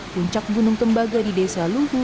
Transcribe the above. puncak gunung tembaga di desa luhu